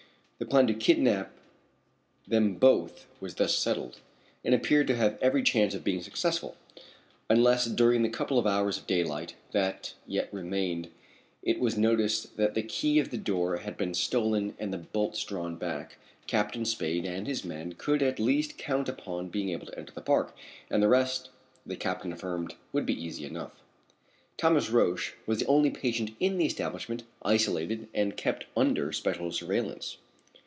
The plan to kidnap them both was thus settled, and appeared to have every chance of being successful; unless during the couple of hours of daylight that yet remained it was noticed that the key of the door had been stolen and the bolts drawn back, Captain Spade and his men could at least count upon being able to enter the park, and the rest, the captain affirmed, would be easy enough. Thomas Roch was the only patient in the establishment isolated and kept under special surveillance.